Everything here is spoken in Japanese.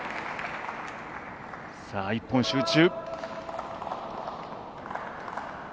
一本集中。